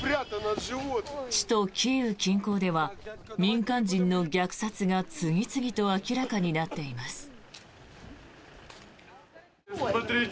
首都キーウ近郊では民間人の虐殺が次々に明らかになっています。